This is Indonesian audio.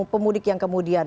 pemudik yang kemudian